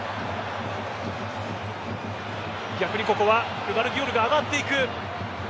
逆に、ここはグヴァルディオルが上がっていく。